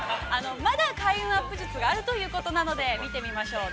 まだ開運アップ術があるということなので見てみましょう。